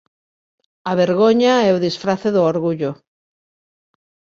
A vergoña é o disfrace do orgullo.